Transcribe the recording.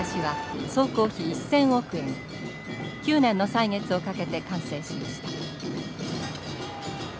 ９年の歳月をかけて完成しました。